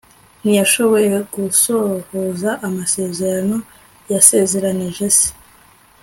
ntiyashoboye gusohoza amasezerano yasezeranije se